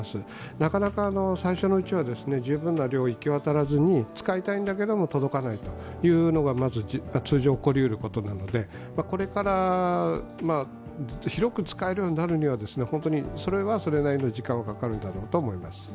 なかなか最初のうちは、十分な量が行き渡らずに、使いたいんだけれども、届かないというのが通常起こりうることなので、これから広く使えるようになるには本当に、それはそれなりの時間がかかるんだろうと思います。